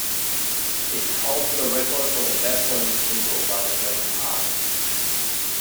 It holds the record for the best-selling single by a German artist.